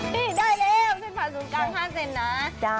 พี่ได้แล้วเส้นผัดสูงกลาง๕เซนนะ